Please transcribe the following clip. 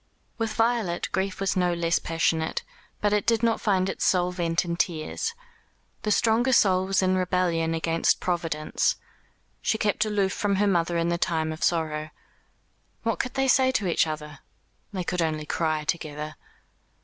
With Violet grief was no less passionate; but it did not find its sole vent in tears. The stronger soul was in rebellion against Providence. She kept aloof from her mother in the time of sorrow. What could they say to each other? They could only cry together.